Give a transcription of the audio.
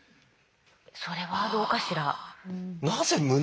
それはどうかしら。